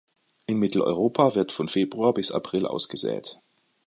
In Mitteleuropa wird von Februar bis April ausgesät.